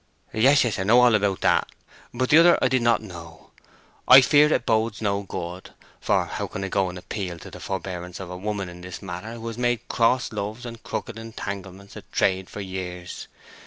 "Yes, yes—I know all about that; but the other I did not know. I fear it bodes no good. For how can I go and appeal to the forbearance of a woman in this matter who has made cross loves and crooked entanglements her trade for years?